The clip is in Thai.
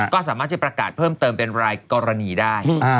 ก็สามารถจะประกาศเพิ่มเติมเป็นรายกรณีได้